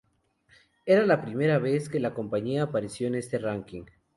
Era la primera vez que la compañía apareció en este ranking.